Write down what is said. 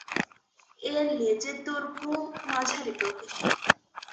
এর লেজের দৈর্ঘ্য মাঝারি প্রকৃতির।